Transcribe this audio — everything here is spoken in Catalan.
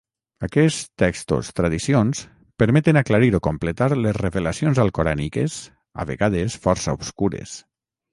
Aquests textos -'tradicions'- permeten aclarir o completar les revelacions alcoràniques a vegades força obscures.